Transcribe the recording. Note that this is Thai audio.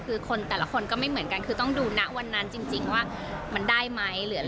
คือคนแต่ละคนก็ไม่เหมือนกันคือต้องดูนะวันนั้นจริงว่ามันได้ไหม